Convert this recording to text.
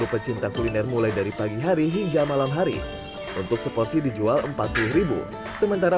pecinta kuliner mulai dari pagi hari hingga malam hari untuk seporsi dijual empat puluh sementara